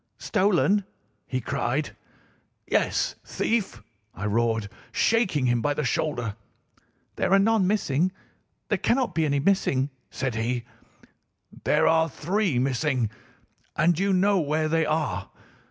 "'Stolen!' he cried. "'Yes, thief!' I roared, shaking him by the shoulder. "'There are none missing. There cannot be any missing,' said he. "'There are three missing. And you know where they are.